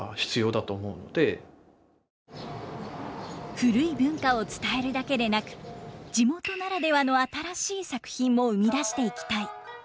古い文化を伝えるだけでなく地元ならではの新しい作品も生み出していきたい。